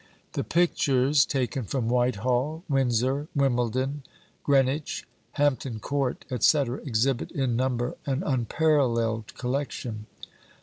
The pictures, taken from Whitehall, Windsor, Wimbledon, Greenwich, Hampton Court, &c., exhibit, in number, an unparalleled collection.